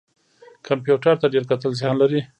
کمپیوټر ته ډیر کتل زیان لري